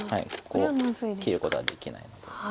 こう切ることはできないので。